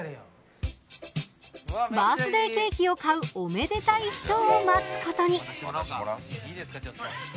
バースデーケーキを買うおめでたい人を待つことに。